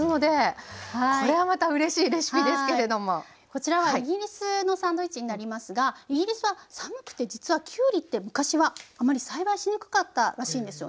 こちらはイギリスのサンドイッチになりますがイギリスは寒くて実はきゅうりって昔はあまり栽培しにくかったらしいんですよね。